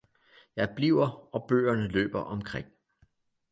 Jeg bliver og bøgerne løber omkring!